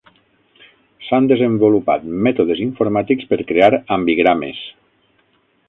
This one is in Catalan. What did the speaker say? S'han desenvolupat mètodes informàtics per crear ambigrames .